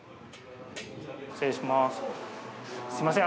失礼します。